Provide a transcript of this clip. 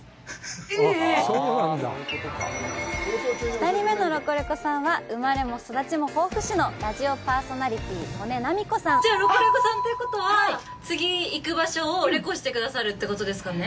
２人目のロコレコさんは、生まれも育ちも防府市のラジオパーソナリティ刀祢奈美子さん！じゃあ、ロコレコさんということは、次行く場所をレコしてくださるということですよね。